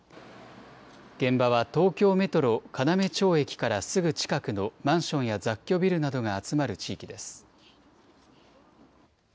現場は東京メトロ要町駅からすぐ近くのマンションや雑居ビルなどが集まる地域です。